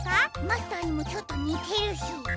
マスターにもちょっとにてるし。